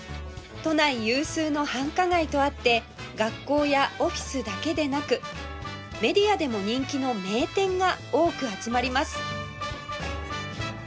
都内有数の繁華街とあって学校やオフィスだけでなくメディアでも人気の名店が多く集まります